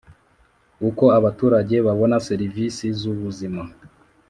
Uko abaturage babona serivisi z ubuzima